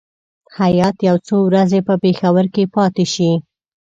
هیات یو څو ورځې په پېښور کې پاتې شي.